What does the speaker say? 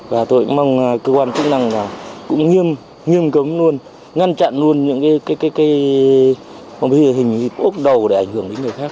và tôi cũng mong cơ quan chức năng cũng nghiêm cấm luôn ngăn chặn luôn những cái hình ốc đầu để ảnh hưởng đến người khác